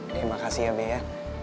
terima kasih ya be ya